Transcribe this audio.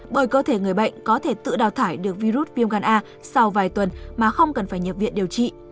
bởi cơ thể người bệnh có thể tự đào thải được virus viêm gan a sau vài tuần mà không cần phải nhập viện điều trị